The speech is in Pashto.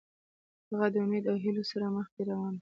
هغه د امید او هیلې سره مخکې روان و.